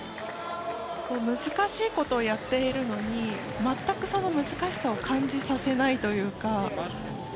難しいことをやっているのに全く、その難しさを感じさせないというか。